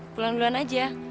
pulang duluan aja